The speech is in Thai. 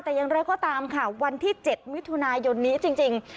แต่อย่างไรก็ตามค่ะวันที่๗มิถุนายนนี้จริง